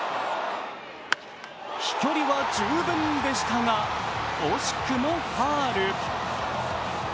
飛距離は十分でしたが惜しくもファウル。